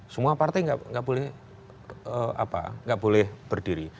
semua partai nggak boleh berdiri